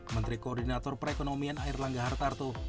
menteri koordinator perekonomian air langga hartarto